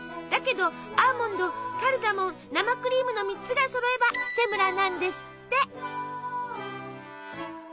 だけどアーモンドカルダモン生クリームの３つがそろえばセムラなんですって。